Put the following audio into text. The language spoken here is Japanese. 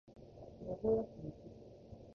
名古屋市西区